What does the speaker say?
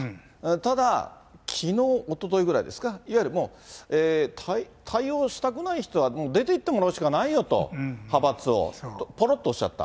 ただ、きのう、おとといぐらいですか、いわゆるもう、対応したくない人は出ていってもらうしかないよと、派閥をと、ぽろっとおっしゃった。